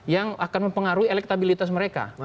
yang akan mempengaruhi elektabilitas mereka